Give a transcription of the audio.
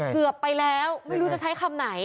เกือบไปแล้วไม่รู้จะใช้คำไหน